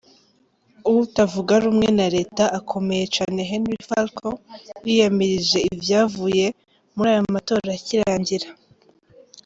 Uwutavuga rumwe na reta akomeye cane Henri Falcon yiyamirije ivyavuye muri ayo matora akirangira.